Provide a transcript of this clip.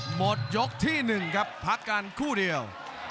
หมดยกที่๑ครับพักกันคู่เดียว